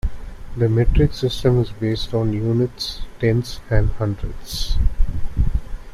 The metric system is based on units, tens and hundreds